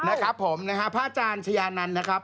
นะครับผมนะฮะพระอาจารย์ชายานันต์นะครับ